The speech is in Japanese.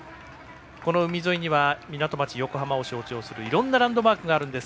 この海沿いには海沿いには港町・横浜を象徴するさまざまなランドマークが並びます。